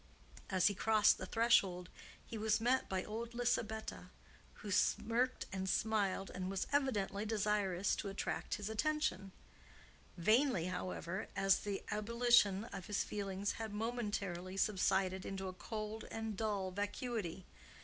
As he crossed the threshold he was met by old Lisabetta, who smirked and smiled, and was evidently desirous to attract his attention; vainly, however, as the ebullition of his feelings had momentarily subsided into a cold and dull vacuity.